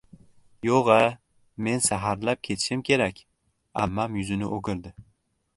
— Yo‘g‘-a, men saharlab ketishim kerak! —ammam yuzini o‘girdi.